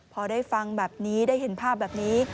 พอได้ฟังแบบนี้ได้เห็นภาพแบบนี้